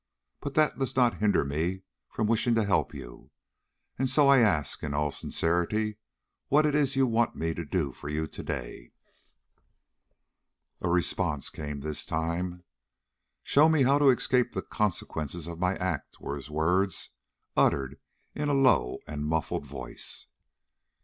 But that does not hinder me from wishing to help you, and so I ask, in all sincerity, What is it you want me to do for you to day?" A response came this time. "Show me how to escape the consequences of my act," were his words, uttered in a low and muffled voice.